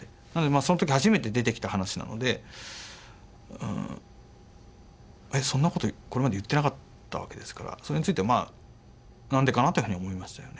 その時初めて出てきた話なのでそんなことこれまで言ってなかったわけですからそれについてはまあ何でかなというふうに思いましたよね。